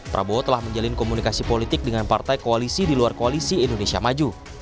prabowo telah menjalin komunikasi politik dengan partai koalisi di luar koalisi indonesia maju